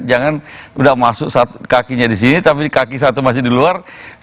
jangan udah masuk kakinya di sini tapi di kaki satu masih di luar